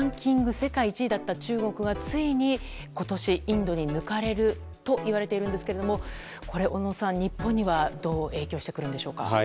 世界１位だった中国がついに今年インドに抜かれるといわれているんですけれども小野さん、日本にはどう影響してくるんでしょうか。